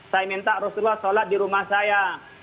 saya minta rasulullah sholat di rumah saya